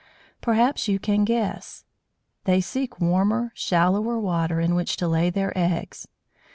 Perhaps you can guess they seek warmer, shallower water, in which to lay their eggs.